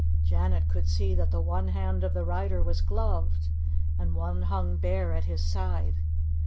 Janet could see that one hand of the rider was gloved, and one hung bare at his side.